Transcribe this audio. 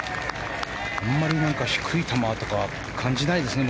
あまり低い球とか感じないですね。